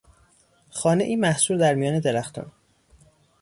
خانهای محصور در میان درختان